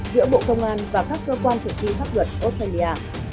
giữa bộ công an và các cơ quan thực thi pháp luật australia